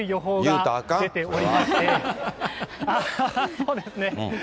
そうですね。